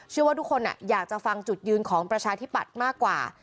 ว่าทุกคนอยากจะฟังจุดยืนของประชาธิปัตย์มากกว่า